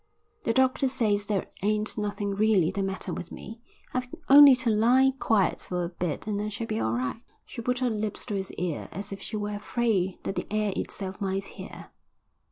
"The doctor says there ain't nothing really the matter with me. I've only to lie quiet for a bit and I shall be all right." She put her lips to his ear as if she were afraid that the air itself might hear.